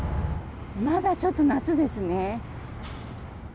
まだちょっと夏ですね。